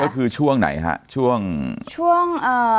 คือช่วงไหนคะช่วงช่วง